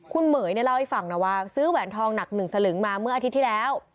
คุณเหม๋ยเนี่ยเล่าให้ฟังนะว่าซื้อแหวนทองหนัก๑สลึงมาเมื่ออาทิตย์ที่แล้ว